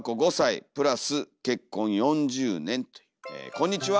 こんにちは！